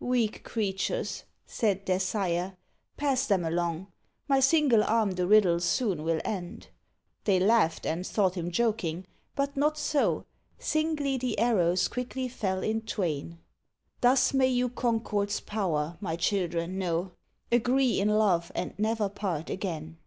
"Weak creatures!" said their sire, "pass them along; My single arm the riddle soon will end." They laughed, and thought him joking; but not so, Singly the arrows quickly fell in twain; "Thus may you concord's power, my children, know; Agree in love and never part again."